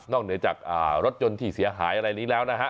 เหนือจากรถยนต์ที่เสียหายอะไรนี้แล้วนะฮะ